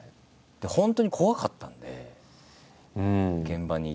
本当に怖かったんで現場にいて。